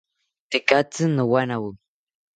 Tekatzi nowanawo